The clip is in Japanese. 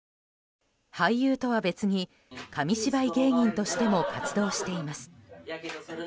俳優とは別に紙芝居芸人としても活動しています。